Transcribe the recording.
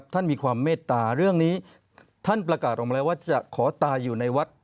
ท่านมีความเมตตาเรื่องนี้ท่านประกาศออกมาแล้วว่าจะขอตายอยู่ในวัด